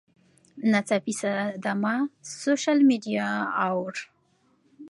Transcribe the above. ناڅاپي صدمه ، سوشل میډیا اوور